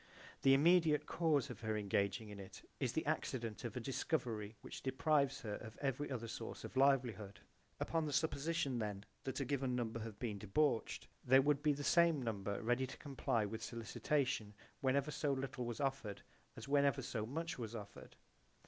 The immediate cause of her engaging in it is the accident of a discovery which deprives her of every other source of livelihood. Upon the supposition then that a given number have been debauched there would be the same number ready to comply with sollicitation whenever so little was offered as whenever so much was offered.